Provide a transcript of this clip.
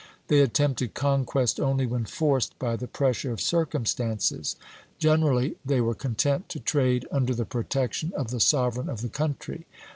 They attempted conquest only when forced by the pressure of circumstances. Generally they were content to trade under the protection of the sovereign of the country."